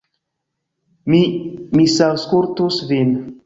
Mi misaŭskultis vin.